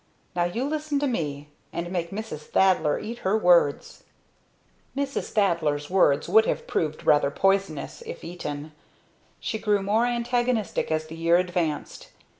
Now you listen to me, and make Mrs. Thaddler eat her words!" Mrs. Thaddler's words would have proved rather poisonous, if eaten. She grew more antagonistic as the year advanced.